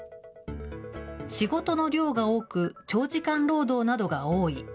仕事の量が多く、長時間労働などが多い。